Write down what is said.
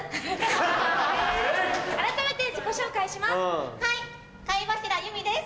改めて自己紹介します。